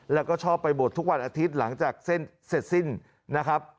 แล้วก็ชอบไปบวชทุกวันอาทิตย์หลังจากเสร็จสิ้นนะครับ